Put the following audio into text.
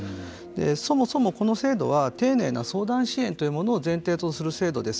そもそもこの制度は丁寧な相談支援というのを前提とする制度です。